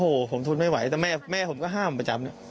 โอ้โหผมทนไม่ไหวแต่แม่แม่ผมก็ห้ามประจำ